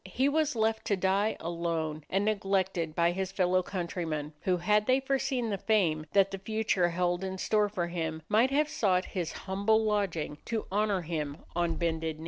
He was left to die alone and neglected by his fellow countrymen, who had they foreseen the fame that the future held in store for him, might have sought his humble lodging to honor him on bended knee.